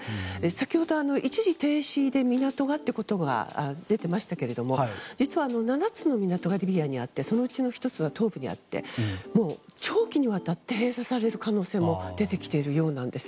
先ほど、一時停止で港がということが出ていましたけれども実は７つの港がリビアにあってそのうちの１つが東部にあってもう、長期にわたって閉鎖される可能性も出てきているようなんです。